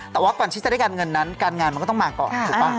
แต่ว่าก่อนที่จะได้การเงินนั้นการงานมันก็ต้องมาก่อนถูกป่ะ